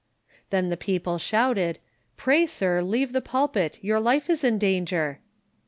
Then the people shouted, "Pray, sir, leave the pulpit ; your life is in danger."